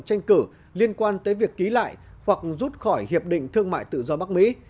tranh cử liên quan tới việc ký lại hoặc rút khỏi hiệp định thương mại tự do bắc mỹ